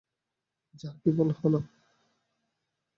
যাহ কি হল!